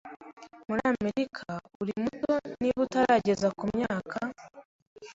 Muri Amerika, uri muto niba utarageza ku myaka .